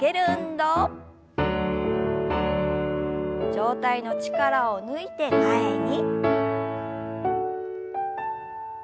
上体の力を抜いて前に。